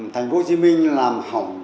thành phố hồ chí minh làm hỏng